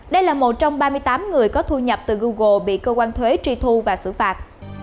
đây là một trong ba mươi tám người có thu nhập từ google bị cơ quan thuế truy thu và xử phạt